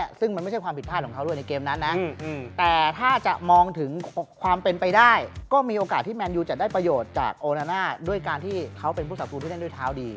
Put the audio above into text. อย่างนู้นอย่างนี้ซึ่งมันไม่ใช่ความผิดพลาดของเขาด้วย